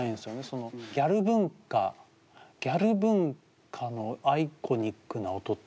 そのギャル文化ギャル文化のアイコニックな音って何だ？